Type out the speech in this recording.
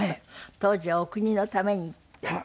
当時はお国のためにって。